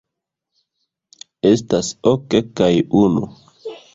Estas ok, kaj unu.